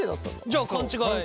じゃあ勘違い。